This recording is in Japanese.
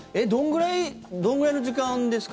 どんぐらいの時間ですか？